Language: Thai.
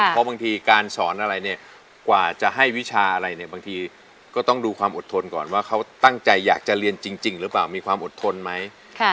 เพราะบางทีการสอนอะไรเนี่ยกว่าจะให้วิชาอะไรเนี่ยบางทีก็ต้องดูความอดทนก่อนว่าเขาตั้งใจอยากจะเรียนจริงหรือเปล่ามีความอดทนไหม